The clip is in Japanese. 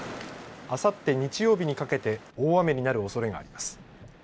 あさって日曜日にかけて大雨になるおそれがあります。